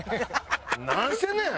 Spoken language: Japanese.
なんしてんねん！